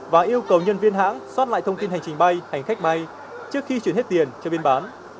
và yêu cầu nhân viên hãng xót lại thông tin hành trình bay hành khách bay trước khi chuyển hết tiền cho biên bán